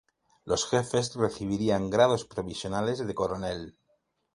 Los jefes recibirían grados provisionales de Coronel.